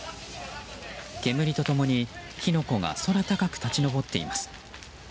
煙と共に火の粉が空高く立ち上っています。